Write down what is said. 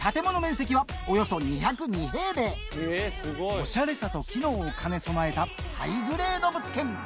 オシャレさと機能を兼ね備えたハイグレード物件